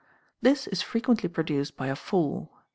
This is frequently produced by a fall.